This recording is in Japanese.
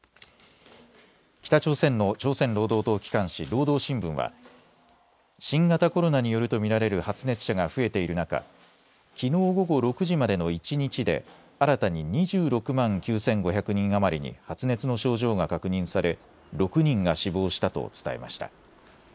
北朝鮮の朝鮮労働党機関紙、労働新聞は新型コロナによると見られる発熱者が増えている中、きのう午後６時までの一日で新たに２６万９５００人余りに発熱の症状が確認され６人が死亡したと伝えました。